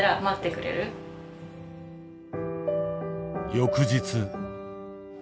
翌日。